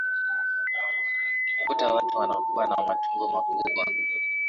kuta watu wanakua na matumbo makubwa